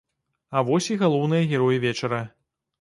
А вось і галоўныя героі вечара.